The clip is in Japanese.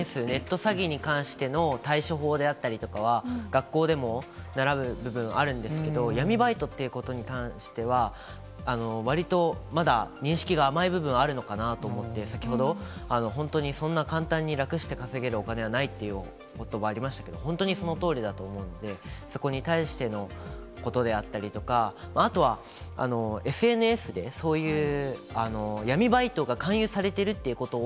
詐欺に関しての対処法であったりとかは、学校でも習う部分あるんですけど、闇バイトってことに関しては、わりとまだ認識が甘い部分あるのかなと思って、先ほど、本当にそんな簡単に楽して稼げるお金はないということばありましたけれども、本当にそのとおりだと思うので、そこに対してのことであったりとか、あとはＳＮＳでそういう闇バイトが勧誘されているということを。